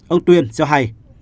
ông tuyên cho hay